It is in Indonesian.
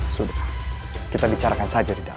sudah kita bicarakan saja di dalam